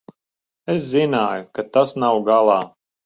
Es zināju, ka tas nav galā.